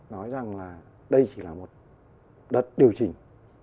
nói rằng là đây chỉ là một đợt điều chỉnh